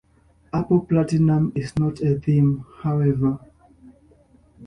Apple Platinum is not a theme, however.